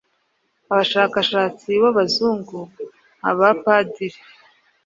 Abashakashatsi b'Abazungu, nka ba Padiri